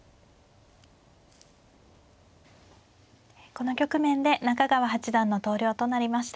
この局面で中川八段の投了となりました。